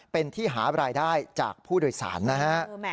เป็นที่หารายได้จากผู้โดยสารนะฮะ